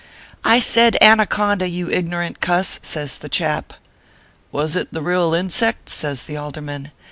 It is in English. " I said Anaconda, you ignorant cuss/ says the chap. " Was it the real insect ?" says the Alderman.